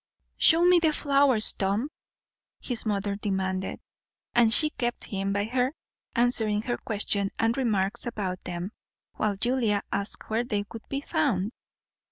"Show me the flowers, Tom," his mother demanded; and she kept him by her, answering her questions and remarks about them; while Julia asked where they could be found.